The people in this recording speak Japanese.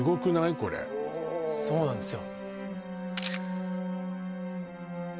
これそうなんですよ